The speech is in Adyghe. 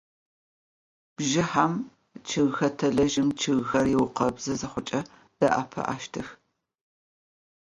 Bjjıhem ççıgxetelejım ççıgxater ıukhebzıjı zıxhuç'e, de'epı'eştıx.